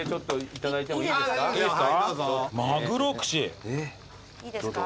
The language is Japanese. いいですか？